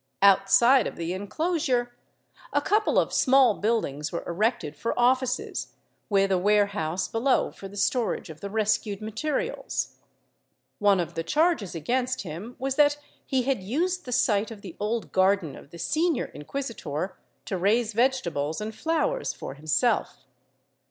Outside of the enclosure, a couple of small buildings were erected for offices, with a warehouse below for the storage of the rescued materials. One of the charges against him was that he had used the site of the old garden of the senior inquisitor to raise vegetables and flowers for himself.